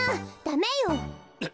ダメよ。